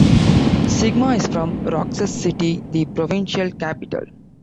Sigma is from Roxas City, the provincial capital.